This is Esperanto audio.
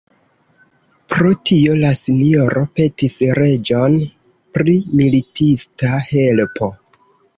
Pro tio la sinjoro petis reĝon pri militista helpo.